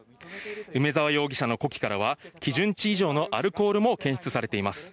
梅沢容疑者の呼気からは、基準値以上のアルコールも検出されています。